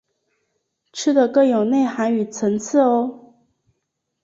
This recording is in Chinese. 吃的更有内涵与层次喔！